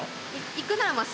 行くならまあ